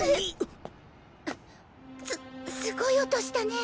すすごい音したね。